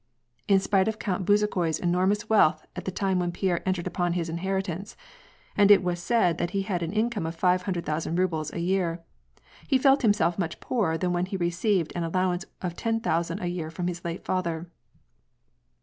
In spite of Count Bezukhoi's enormous wealth at the time when Pierre entered upon his inheritance — and it was said that he had an income of five hundred thousand rubles a year — he felt himself much poorer than when he received an al lowance of ten thousand a year from his late father.